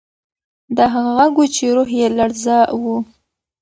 دا هغه غږ و چې روح یې لړزاوه.